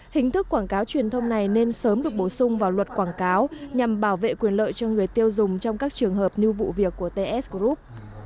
hình thức quảng cáo truyền thông này nên sớm được bổ sung vào luật quảng cáo nhằm bảo vệ quyền lợi cho người tiêu dùng trong các trường hợp như vụ việc của ts group